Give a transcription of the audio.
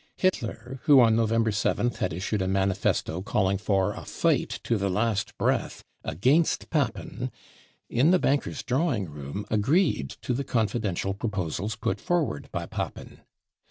Hitler, who on November 7th had issued a ) manifesto calling for a fight " to the last breath 55 against Papen, in the banker's drawing room, agreed to the con fidential proposals put forward *by Papen.